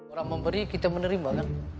orang memberi kita menerima kan